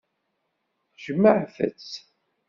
Jemɛet-tt.